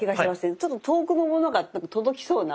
ちょっと遠くのものが届きそうな。